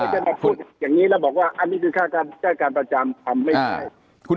ยังจะมาพูดแบบนี้แล้วบอกว่าอันนี้คือฆ่าการประจำทำไม่ใช่